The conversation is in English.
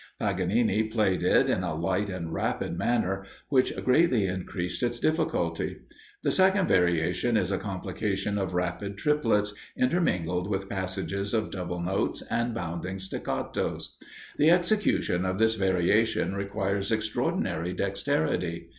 Paganini played it in a light and rapid manner, which greatly increased its difficulty. The second variation is a complication of rapid triplets, intermingled with passages of double notes and bounding staccatos. The execution of this variation requires extraordinary dexterity.